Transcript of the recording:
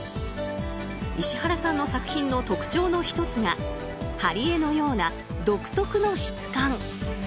石原さんの作品の特徴の１つが貼り絵のような独特の質感。